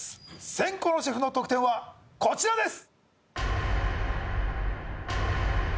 先攻のシェフの得点はこちらです